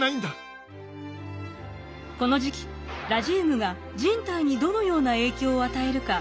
この時期ラジウムが人体にどのような影響を与えるか